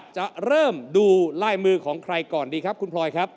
จะเริ่มดูลายมือของใครก่อนดีครับคุณพลอยครับ